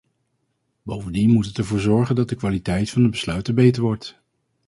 Bovendien moet het ervoor zorgen dat de kwaliteit van de besluiten beter wordt.